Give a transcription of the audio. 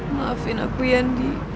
maafin aku yandi